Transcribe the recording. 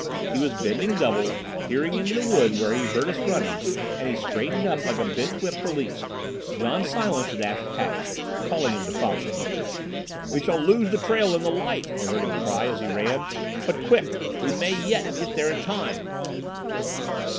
He was bending double, peering into the wood where he heard us running, and he straightened up like a bent whip released. John Silence dashed passed, calling him to follow. "We shall lose the trail in the light," I heard him cry as he ran. "But quick! We may yet get there in time!"